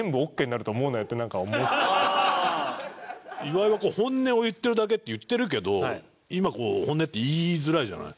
岩井は「本音を言ってるだけ」って言ってるけど今こう本音って言いづらいじゃない。